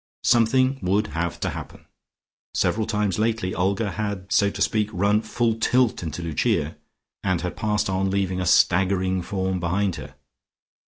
Something would have to happen.... Several times lately Olga had, so to speak, run full tilt into Lucia, and had passed on leaving a staggering form behind her.